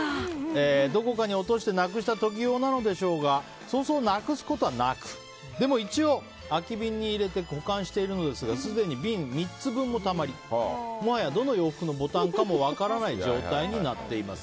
どこかに落としてなくした時用なのでしょうがそうそうなくすことはなくでも一応空き瓶に入れて保管しているのですがすでに瓶３つ分もたまりもはや、どの洋服のボタンかも分からない状態になっています。